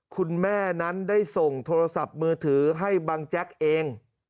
คุณแม่นั้นได้ส่งโทรศัพท์มือถือให้บังแจ๊กเอง